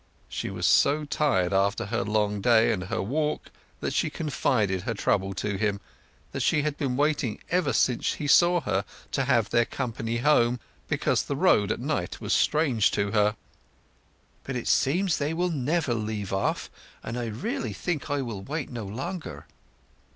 She was so tired after her long day and her walk that she confided her trouble to him—that she had been waiting ever since he saw her to have their company home, because the road at night was strange to her. "But it seems they will never leave off, and I really think I will wait no longer."